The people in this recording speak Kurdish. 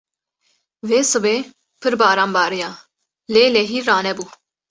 Vê sibê pir baran bariya lê lehî ranebû.